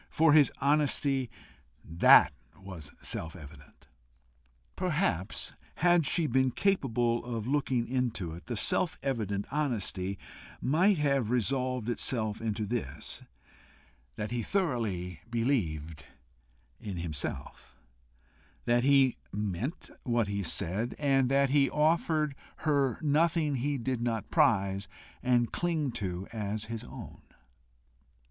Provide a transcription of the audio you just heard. For his honesty, that was self evident! Perhaps, had she been capable of looking into it, the self evident honesty might have resolved itself into this that he thoroughly believed in himself; that he meant what he said; and that he offered her nothing he did not prize and cleave to as his own.